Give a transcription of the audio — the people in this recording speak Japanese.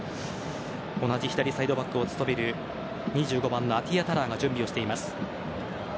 同じ左サイドバックを務める２５番のアティヤタラーが準備をしています。